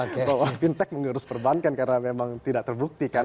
kalau fintech mengurus perbankan karena memang tidak terbukti kan